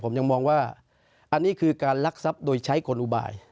ผมยังมองว่าอันนี้คือการลักทรัพย์โดยใช้คนอุบาย